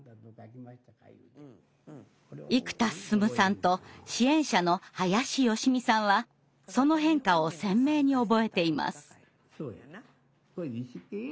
生田進さんと支援者の林淑美さんはその変化を鮮明に覚えています。